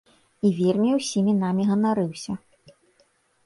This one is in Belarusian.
І вельмі ўсімі намі ганарыўся.